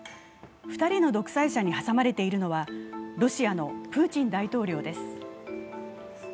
２人の独裁者に挟まれているのはロシアのプーチン大統領です。